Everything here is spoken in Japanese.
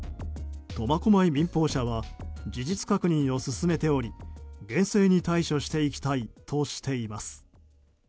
苫小牧民報社は事実確認を進めており厳正に対処していきたいとしています。